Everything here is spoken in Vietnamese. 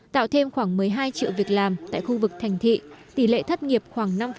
tạo thêm khoảng một mươi hai triệu việc làm tại khu vực thành thị tỷ lệ thất nghiệp khoảng năm